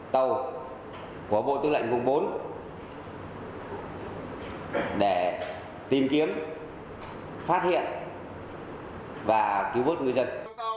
tàu của bộ tư lệnh vùng bốn để tìm kiếm phát hiện và cứu vớt ngư dân